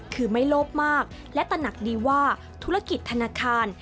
คือไม่โลภมากและตนักดีว่าธุรกิจธนาคาร